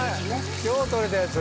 今日とれたやつ？